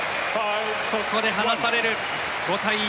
ここで離される５対１。